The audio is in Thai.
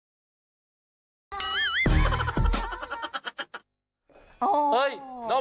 มันเป็นอะไรครับ